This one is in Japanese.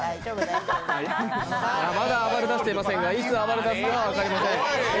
まだ暴れ出していませんが、いつ暴れ出すかは分かりません。